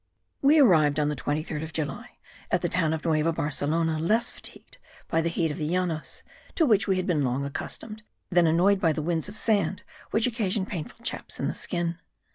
We arrived, on the 23rd of July, at the town of Nueva Barcelona, less fatigued by the heat of the Llanos, to which we had been long accustomed, than annoyed by the winds of sand which occasion painful chaps in the skin.